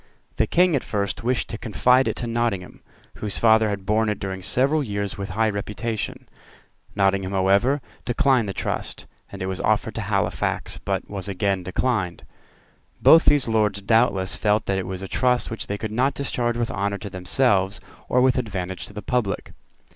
The King at first wished to confide it to Nottingham, whose father had borne it during several years with high reputation. Nottingham, however, declined the trust; and it was offered to Halifax, but was again declined. Both these Lords doubtless felt that it was a trust which they could not discharge with honour to themselves or with advantage to the public.